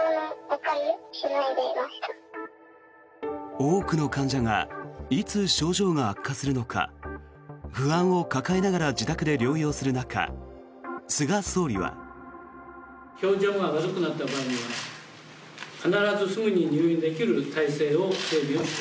多くの患者がいつ症状が悪化するのか不安を抱えながら自宅で療養する中、菅総理は。新型コロナの感染が拡大しています。